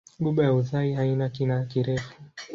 Ghuba ya Uthai haina kina kirefu.